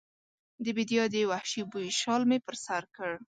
د بیدیا د وحشي بوی شال مې پر سر کړ